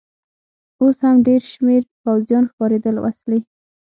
اوس هم ډېر شمېر پوځیان ښکارېدل، وسلې.